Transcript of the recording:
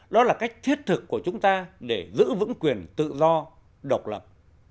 đó là cách thiết thực của chúng ta để giữ vững quyền tự do độc lập